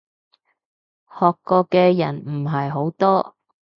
學過嘅人唔係好多